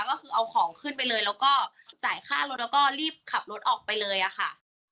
ก็คือเอาของขึ้นไปเลยแล้วก็จ่ายค่ารถแล้วก็รีบขับรถออกไปเลยอะค่ะ